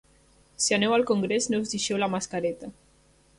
Si aneu al congrés no us deixeu la mascareta.